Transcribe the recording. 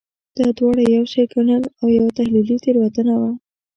دا دواړه یو شی ګڼل یوه تحلیلي تېروتنه وه.